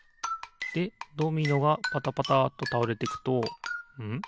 でドミノがパタパタっとたおれていくとん？